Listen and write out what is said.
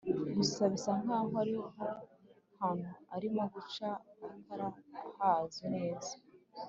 gusa bisa nkaho aho hantu arimo guca atahazi neza,